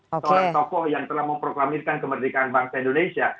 seorang tokoh yang telah memproklamirkan kemerdekaan bangsa indonesia